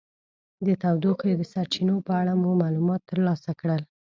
د تودوخې د سرچینو په اړه مو معلومات ترلاسه کړل.